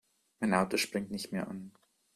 Mein Auto springt nicht mehr an.